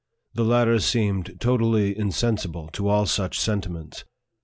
The latter seemed totally insensible to all such sentiments.